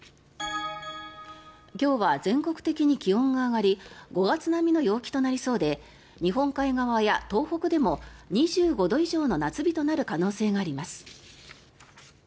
今日は全国的に気温が上がり５月並みの陽気となりそうで日本海側や東北でも２５度以上の夏日となる可能性があります。